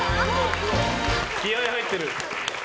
気合入ってる。